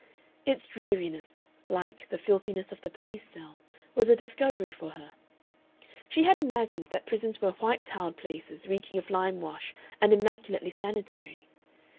Its dreariness, like the filthiness of the police cell, was a discovery for her. She had imagined that prisons were white tiled places, reeking of lime wash and immaculately sanitary.